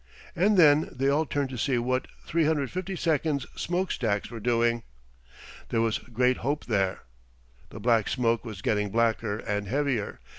And then they all turned to see what 352's smoke stacks were doing. There was great hope there. The black smoke was getting blacker and heavier.